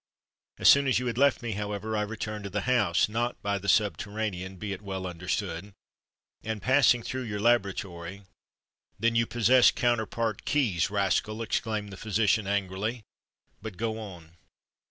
As soon as you had left me, however, I returned to the house—not by the subterranean, be it well understood,—and passing through your laboratory——" "Then you possess counterpart keys, rascal!" exclaimed the physician angrily. "But go on."